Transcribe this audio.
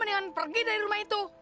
dengan pergi dari rumah itu